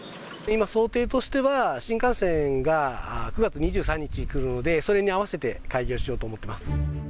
今、想定としては、新幹線が９月２３日に来るので、それに合わせて開業しようと思ってます。